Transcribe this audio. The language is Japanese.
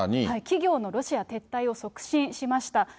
企業のロシア撤退を促進しました。